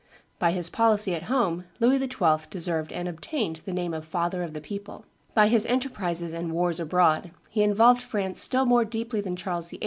By his policy at home Louis XII. deserved and obtained the name of Father of the People; by his enterprises and wars abroad he involved France still more deeply than Charles VIII.